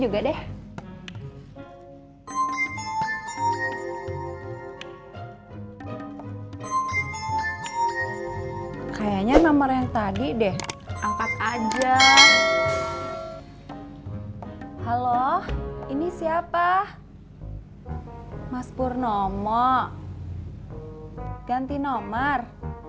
juga deh kayaknya nomor yang tadi deh angkat aja halo ini siapa mas purnomo ganti nomor